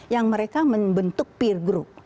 yang mereka membentuk peer group